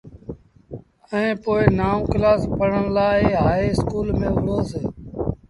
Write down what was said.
ائيٚݩ پو نآئوٚݩ ڪلآس پڙهڻ لآ هآئي اسڪول ميݩ وُهڙوس۔